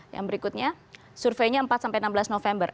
yang berikutnya surveinya empat sampai enam belas november